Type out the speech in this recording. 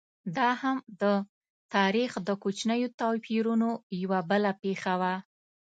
دا هم د تاریخ د کوچنیو توپیرونو یوه بله پېښه وه.